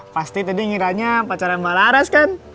pasti tadi ngiranya pacaran mbak laras kan